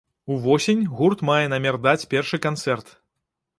Увосень гурт мае намер даць першы канцэрт.